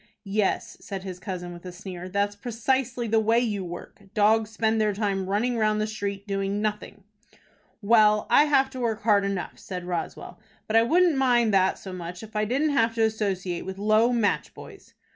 "Yes," said his cousin, with a sneer, "that's precisely the way you work. Dogs spend their time running round the street doing nothing." "Well, I have to work hard enough," said Roswell, "but I wouldn't mind that so much, if I didn't have to associate with low match boys."